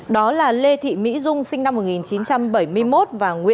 đó là lê thị mỹ dung sinh năm một nghìn chín trăm bảy mươi một